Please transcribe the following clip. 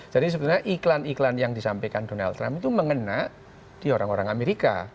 jadi sebenarnya iklan iklan yang disampaikan donald trump itu mengena di orang orang amerika